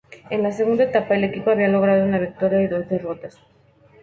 En la segunda etapa, el equipo había logrado una victoria y dos derrotas.